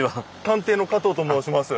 探偵の加藤と申します。